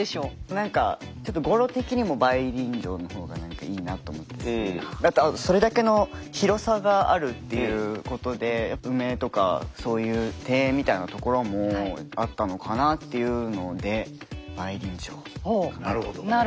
何かちょっと語呂的にも梅林城の方が何かいいなと思ったしあとそれだけの広さがあるっていうことでやっぱ梅とかそういう庭園みたいなところもあったのかなっていうので梅林城かなと思いました。